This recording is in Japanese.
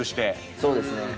そうですね。